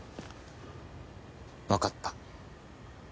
わかった。